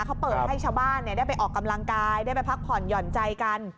เขาเปิดให้ชาวบ้านได้ไปออกกำลังกายได้ไปพักผ่อนหย่อนใจกัน